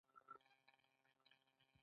یعنې د خرڅولو لپاره تولید شوی وي.